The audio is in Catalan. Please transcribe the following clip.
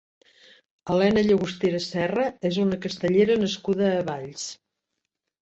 Helena Llagostera Serra és una castellera nascuda a Valls.